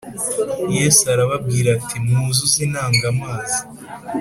Yesu arababwira ati Mwuzuze intango amazi